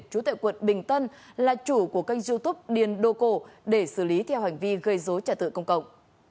chú tệ quận bình tân là chủ của kênh youtube điền đô cổ để xử lý theo hành vi gây dối trả tự công cộng